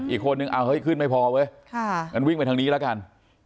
อีกคนนึงเอาเฮ้ยขึ้นไม่พอเว้ยงั้นวิ่งไปทางนี้แล้วกัน